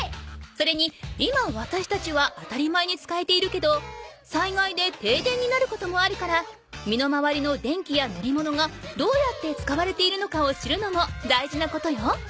それに今わたしたちは当たり前に使えているけどさいがいでていでんになることもあるから身の回りの電気や乗り物がどうやって使われているのかを知るのも大事なことよ。